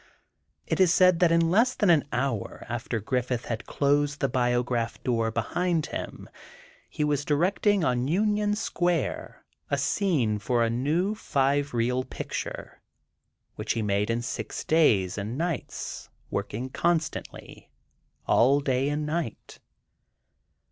It is said that in less than an hour after Griffith had closed the Biograph door behind him, he was directing on Union Square a scene for a new five reel picture, which he made in six days and nights, working constantly—all day and night.